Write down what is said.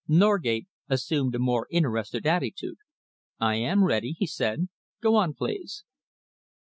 Norgate assumed a more interested attitude. "I am ready," he said. "Go on, please."